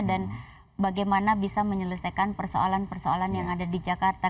dan bagaimana bisa menyelesaikan persoalan persoalan yang ada di jakarta